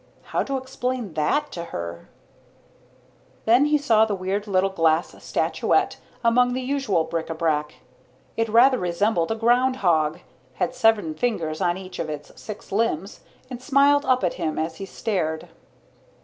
How to explain that to her? Then he saw the weird little glass statuette among the usual bric a brac. It rather resembled a ground hog, had seven fingers on each of its six limbs, and smiled up at him as he stared.